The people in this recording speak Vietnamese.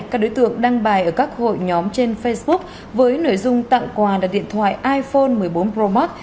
các đối tượng đăng bài ở các hội nhóm trên facebook với nội dung tặng quà đặt điện thoại iphone một mươi bốn pro max